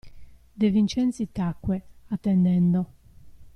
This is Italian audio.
De Vincenzi tacque, attendendo.